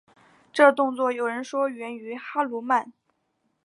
这动作有人说是源于哈奴曼。